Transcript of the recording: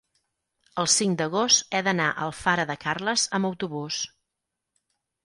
el cinc d'agost he d'anar a Alfara de Carles amb autobús.